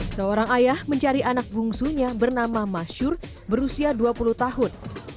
seorang ayah mencari anak bungsunya bernama masyur berusia dua puluh tahun